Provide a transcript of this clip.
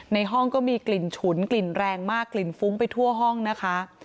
ในห้องก็มีกลิ่นฉุนกลิ่นแรงมากกลิ่นฟุ้งไปทั่วห้องนะคะ